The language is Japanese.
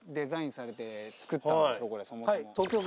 これそもそも。